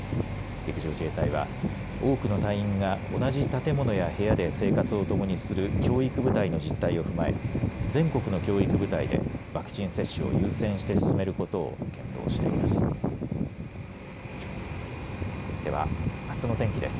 陸上自衛隊は多くの隊員が同じ建物や部屋で生活をともにする教育部隊の実態を踏まえ全国の教育部隊でワクチン接種を優先して進めることを検討しています。